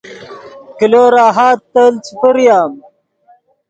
کلو راحت تیلت چے پریم